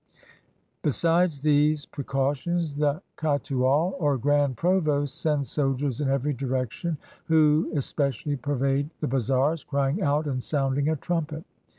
" Besides these pre cautions, the Cotoual, or grand provost, sends soldiers in every direction, who especially pervade the bazaars, crying out and sounding a trumpet.